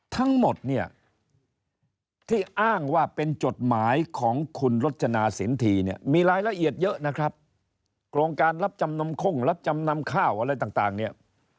ทั้งหมดเนี่ยที่อ้างว่าเป็นจดหมายของคุณรจนาสินทีเนี่ยมีรายละเอียดเยอะนะครับโครงการรับจำนำข้งรับจำนำข้าวอะไรต่างเนี่ย